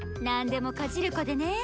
何でもかじる子でね。